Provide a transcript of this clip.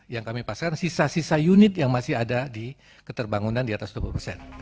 yang kami pastikan sisa sisa unit yang masih ada di keterbangunan di atas dua puluh persen